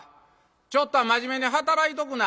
ちょっとは真面目に働いとくなはれ」。